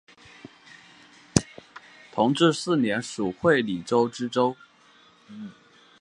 同治四年署会理州知州。